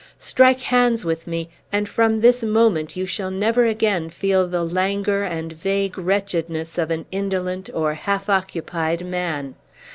Strike hands with me, and from this moment you shall never again feel the languor and vague wretchedness of an indolent or half occupied man.